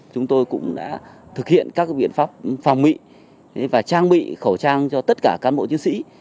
chúng tôi cũng đã thực hiện các biện pháp phòng mị và trang bị khẩu trang cho tất cả cán bộ chiến sĩ